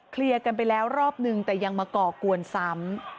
กันไปแล้วรอบนึงแต่ยังมาก่อกวนซ้ำ